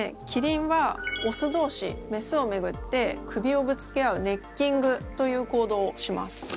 キリンはオス同士メスをめぐって首をぶつけ合うネッキングという行動をします。